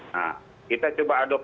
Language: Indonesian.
nah kita coba aduk